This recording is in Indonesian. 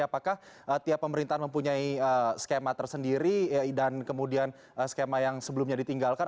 apakah tiap pemerintahan mempunyai skema tersendiri dan kemudian skema yang sebelumnya ditinggalkan